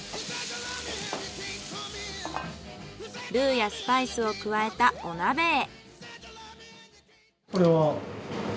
ルーやスパイスを加えたお鍋へ。